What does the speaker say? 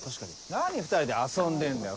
何２人で遊んでんだよ。